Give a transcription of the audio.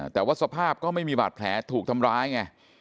แต่ว่าสภาพก็ไม่มีบาดแผลถูกทำร้ายไง